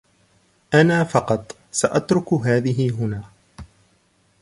أنا فقط سأترك هذه هنا.